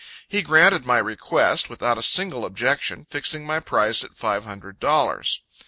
He granted my request, without a single objection, fixing my price at five hundred dollars.